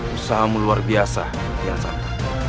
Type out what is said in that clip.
usaha luar biasa pian santan